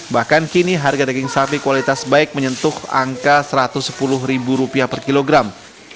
bahkan kini harga daging sapi kualitas baik menyentuh angka rp satu ratus sepuluh per kilogram